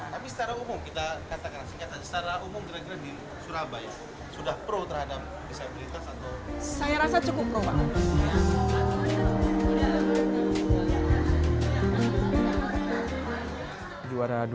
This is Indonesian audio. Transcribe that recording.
tapi secara umum kita katakan secara umum kira kira di surabaya sudah pro terhadap disabilitas atau